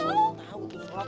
kamu tau aku banget